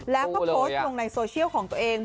แล้วก็โพสต์ลงในโซเชียลของตัวเอง